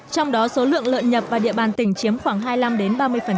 trong đó số lượng lợn nhập vào địa bàn tỉnh chiếm khoảng hai mươi năm đến ba mươi